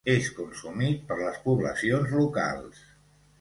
És consumit per les poblacions locals.